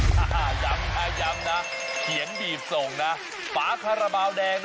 จะเป็นการแจกร้านที่๒แล้ว